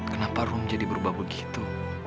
kenapa rum jadi berubah begitu